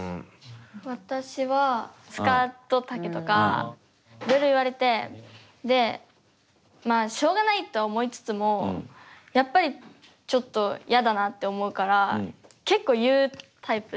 私はスカート丈とかいろいろ言われてでまあしょうがないとは思いつつもやっぱりちょっと嫌だなって思うから結構言うタイプで。